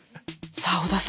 さあ織田さん